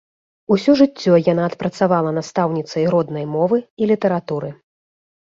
Усё жыццё яна адпрацавала настаўніцай роднай мовы і літаратуры.